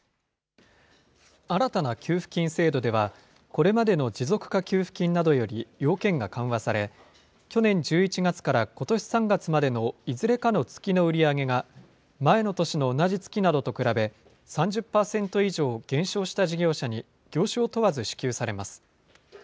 新たな給付金制度では、これまでの持続化給付金などより要件が緩和され、去年１１月からことし３月までのいずれかの月の売り上げが、前の年の同じ月などと比べ、３０％以上減少した事業者に業種を問わず支給されます。